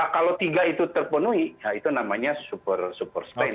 kalau tiga itu terpenuhi ya itu namanya super superstain